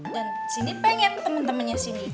dan sini pengen temen temennya sini